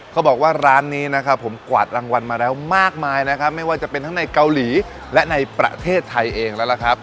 เขาบอกว่าร้านนี้นะครับผมกวาดรางวัลมาแล้วมากมายนะครับไม่ว่าจะเป็นทั้งในเกาหลีและในประเทศไทยเองแล้วล่ะครับ